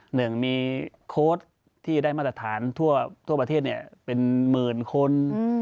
หนึ่งมีโค้ดที่ได้มาตรฐานทั่วประเทศเป็นหมื่นคน